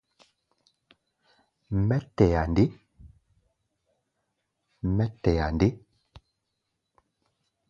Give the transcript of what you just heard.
Mɛ́ tɛa nde?